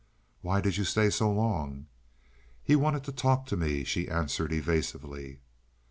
"Why did you stay so long?" "He wanted to talk to me," she answered evasively.